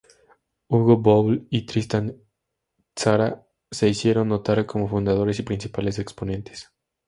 Hugo Ball y Tristan Tzara se hicieron notar como fundadores y principales exponentes.